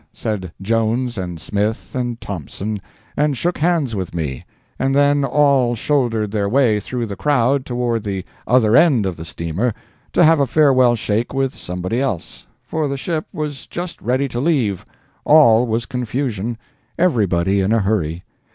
said Jones, and Smith, and Thompson, and shook hands with me, and then all shouldered their way through the crowd toward the other end of the steamer, to have a farewell shake with somebody else, for the ship was just ready to leave—all was confusion—everybody in a hurry.